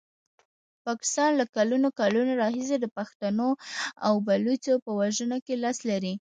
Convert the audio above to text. پاکستان له کلونو کلونو راهیسي د پښتنو او بلوڅو په وژنه کې لاس لري.